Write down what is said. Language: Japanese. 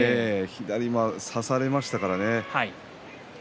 左を差されましたからね。